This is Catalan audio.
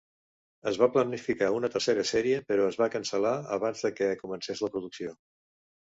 Es va planificar una tercera sèrie, però es va cancel·lar abans de que comences la producció.